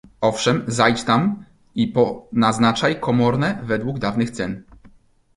"Owszem zajdź tam i ponaznaczaj komorne według dawnych cen."